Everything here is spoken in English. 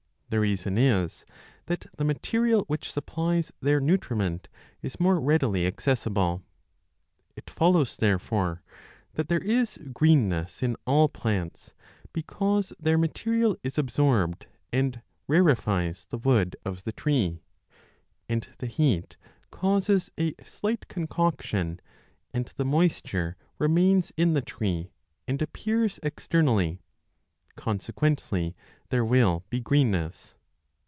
The reason is that the material which supplies their nutriment is more readily accessible : it follows therefore that there is greenness in all plants, because their material is absorbed and rarifies the wood of the tree, and the heat causes a slight concoction, and the moisture remains in the tree and appears externally: consequently there will be greenness.